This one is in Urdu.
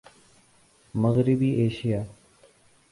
مغربی ایشیا